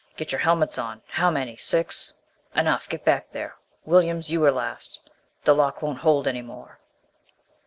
"Get your helmets on! How many? Six. Enough get back there, Williams you were last. The lock won't hold any more."